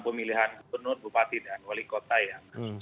pemilihan gubernur bupati dan wali kota ya